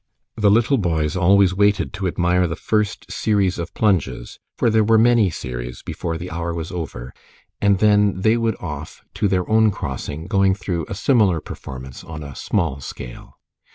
The little boys always waited to admire the first series of plunges, for there were many series before the hour was over, and then they would off to their own crossing, going through a similar performance on a small scale.